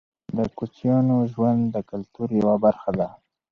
د کوچیانو ژوند د کلتور یوه برخه ده.